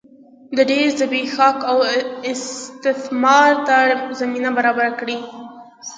د ډېر زبېښاک او استثمار ته زمینه برابره کړي.